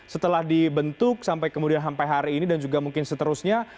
setelah dibentuk sampai kemudian sampai hari ini dan juga mungkin seterusnya